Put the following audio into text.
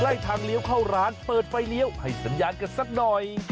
ทางเลี้ยวเข้าร้านเปิดไฟเลี้ยวให้สัญญาณกันสักหน่อย